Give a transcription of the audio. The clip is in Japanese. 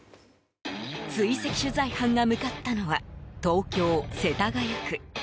追跡取材班が向かったのは東京・世田谷区。